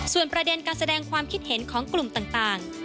ส่วนประเด็นการแสดงความคิดเห็นของกลุ่มต่าง